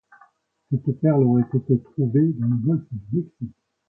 Cette perle aurait été trouvée dans le golfe du Mexique.